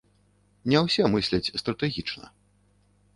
Не ўсе мысляць стратэгічна.